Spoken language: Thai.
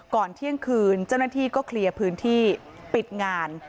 เที่ยงคืนเจ้าหน้าที่ก็เคลียร์พื้นที่ปิดงาน